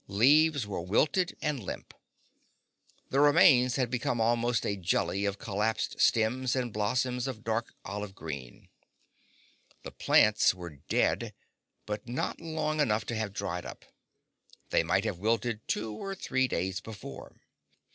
Leaves were wilted and limp. The remains had become almost a jelly of collapsed stems and blossoms of dark olive green. The plants were dead; but not long enough to have dried up. They might have wilted two or three days before.